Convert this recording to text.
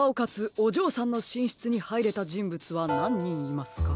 おじょうさんのしんしつにはいれたじんぶつはなんにんいますか？